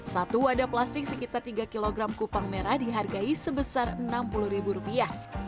satu wadah plastik sekitar tiga kg kupang merah dihargai sebesar enam puluh ribu rupiah